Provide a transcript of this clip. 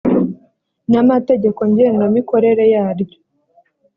n amategeko ngengamikorere yaryo